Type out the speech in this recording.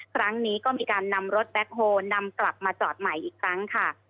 ครั้งนี้ก็มีการนำรถแบ็คโฮลนำกลับมาจอดใหม่อีกครั้งค่ะ